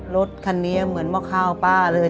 รถคันนี้เหมือนมาข้าวป้าเลย